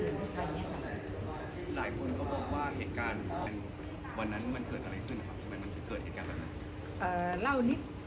หลายคนก็บอกว่าเอกฆานวันนั้นมันเกิดอะไรขึ้นแม้คิดเกิดเอกเกิดอะไร